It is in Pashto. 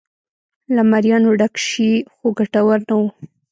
له مریانو ډک شي خو ګټور نه و.